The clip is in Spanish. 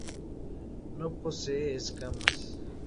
No posee escamas.